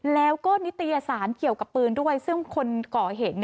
แล้วก็นิตยสารเกี่ยวกับปืนด้วยซึ่งคนก่อเหตุ